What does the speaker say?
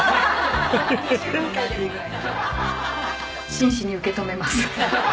真摯に受け止めます。